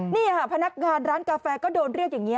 นี่ค่ะพนักงานร้านกาแฟก็โดนเรียกอย่างนี้